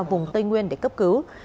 vùng tây nguyên để cấp cứu